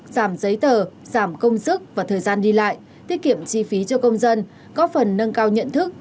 giảm giấy tờ giảm công sức và thời gian đi lại tiết kiệm chi phí cho công dân góp phần nâng cao nhận thức